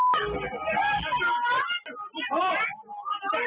ยี่สิบเก้าสิงหาคมที่ผ่านมาครับ